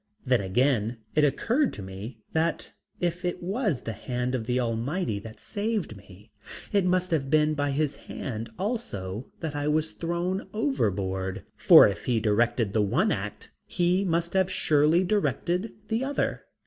Then, again, it occurred to me, that if it was the hand of the Almighty that saved me, it must have been by His hand also that I was thrown overboard, for if He directed the one act He must have surely directed the other.